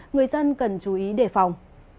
người dân cần chú ý đề phòng